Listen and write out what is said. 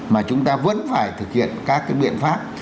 mà chúng ta vẫn phải thực hiện các cái biện pháp